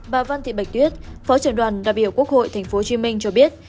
bà văn thị bạch tuyết phó trưởng đoàn đại biểu quốc hội tp hcm cho biết